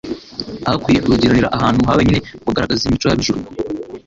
Aho kwifurugiranira ahantu ha wenyine ngo agaragaze imico y'ab'ijuru,